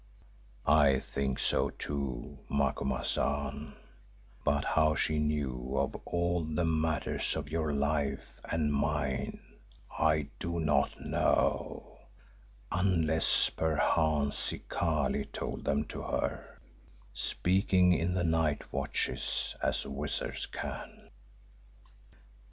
"I think so too, Macumazahn, but how she knew of all the matters of your life and mine, I do not know, unless perchance Zikali told them to her, speaking in the night watches as wizards can."